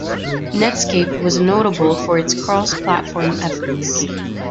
Netscape was notable for its cross-platform efforts.